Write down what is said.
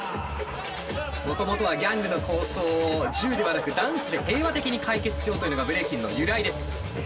もともとはギャングの抗争を銃ではなくダンスで平和的に解決しようというのがブレイキンの由来です。